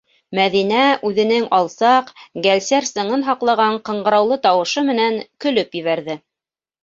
Мәҙинә үҙенең алсаҡ, гәлсәр сыңын һаҡлаған ҡыңғыраулы тауышы менән көлөп ебәрҙе: